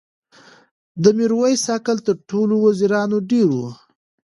د میرویس عقل تر ټولو وزیرانو ډېر و.